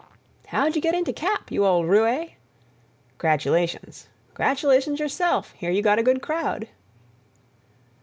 "How'd you get into Cap—you old roue?" "'Gratulations!" "'Gratulations yourself. Hear you got a good crowd."